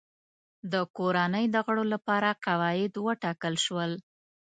د کورنۍ د غړو لپاره قواعد وټاکل شول.